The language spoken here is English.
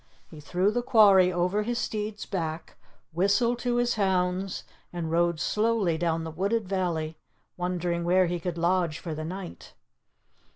He threw the quarry over his steed's back, whistled to his hounds, and rode slowly down the wooded valley, wondering where he could lodge for the night.